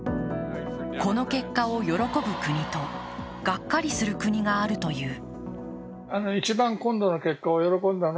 この結果を喜ぶ国とがっかりする国があるという。